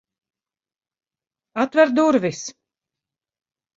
Atver durvis!